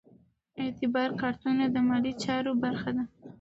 اعتبار کارتونه د مالي چارو برخه ده.